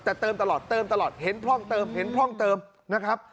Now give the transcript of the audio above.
แต่เติมตลอดเติมตลอดเห็นพร่องเติมเห็นพร่องเติมนะครับ